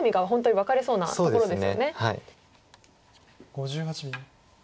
５８秒。